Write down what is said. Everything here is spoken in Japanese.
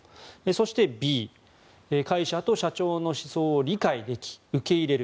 そして、Ｂ会社と社長の思想を理解でき受け入れる。